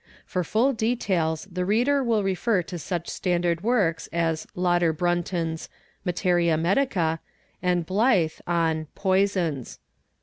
For full details the reader will refer to such standard works as Lauder Brunton's 'Materia Medica,' and Blyth n "Poisons."